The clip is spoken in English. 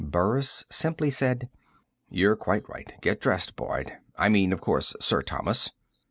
Burris simply said: "You're quite right. Get dressed, Boyd ... I mean, of course, Sir Thomas."